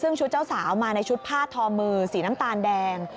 ซึ่งชุดเจ้าสาวมาในชุดผ้าทอมือสีน้ำตาลแดง